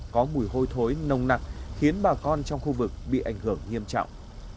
có mùi hôi thối nồng nặc khiến bà con trong khu vực bị ảnh hưởng nghiêm trọng